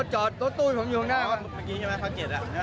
รถจอดรถตู้ผมอยู่ข้างหน้า